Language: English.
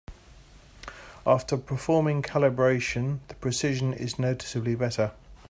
After performing calibration, the precision is noticeably better.